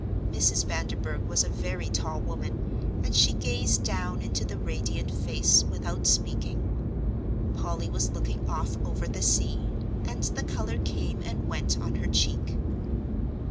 Mrs. Vanderburgh was a very tall woman, and she gazed down into the radiant face, without speaking; Polly was looking off over the sea, and the colour came and went on her cheek.